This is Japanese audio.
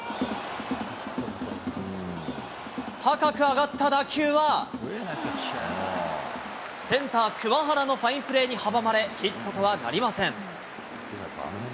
高く上がった打球は、センター、桑原のファインプレーに阻まれ、ヒットとはなりません。